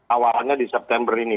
awalnya di september ini